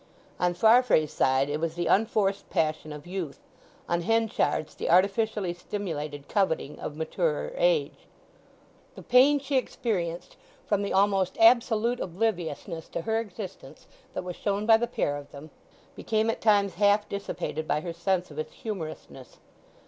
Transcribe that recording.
On Farfrae's side it was the unforced passion of youth. On Henchard's the artificially stimulated coveting of maturer age. The pain she experienced from the almost absolute obliviousness to her existence that was shown by the pair of them became at times half dissipated by her sense of its humourousness.